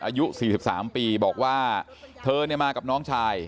อายุสี่สิบสามปีบอกว่าเธอเนี่ยมากับน้องชาย